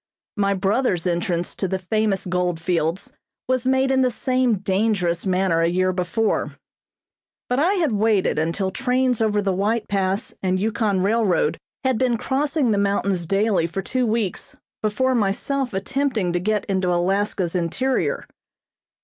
My brother's entrance to the famous gold fields was made in the same dangerous manner a year before; but I had waited until trains over the White Pass and Yukon Railroad had been crossing the mountains daily for two weeks before myself attempting to get into Alaska's interior.